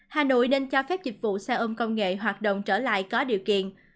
hà nội nên cho phép dịch vụ xe ôm công nghệ hoạt động trở lại có điều kiện